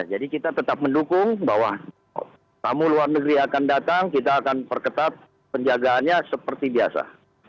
jadi kita tetap mendukung bahwa tamu luar negeri akan datang kita akan perketat penjagaannya seperti biasa